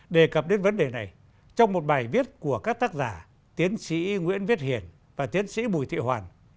đề cập đến vấn đề này trong một bài viết của các tác giả tiến sĩ nguyễn viết hiền và tiến sĩ bùi thị hoàn